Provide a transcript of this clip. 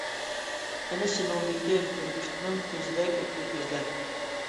قېنى سېنىڭدىكى بۈركۈتنىڭ كۆزىدەك ئۆتكۈر كۆزلەر؟ !